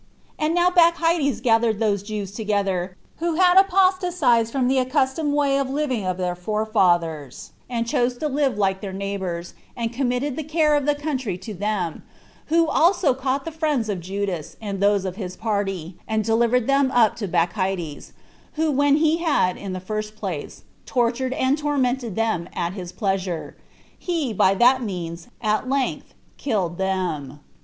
And now Bacchides gathered those Jews together who had apostatized from the accustomed way of living of their forefathers, and chose to live like their neighbors, and committed the care of the country to them, who also caught the friends of Judas, and those of his party, and delivered them up to Bacchides, who when he had, in the first place, tortured and tormented them at his pleasure, he, by that means, at length killed them.